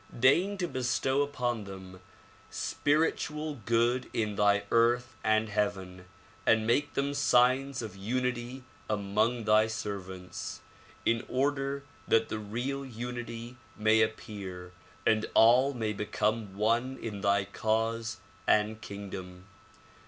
Deign to bestow upon them spiritual good in thy earth and heaven and make them signs of unity among thy serv ants, in order that the real unity may appear and all may become one in thy cause and kingdom.